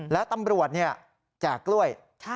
แล้วตำรวจแจกกล้วย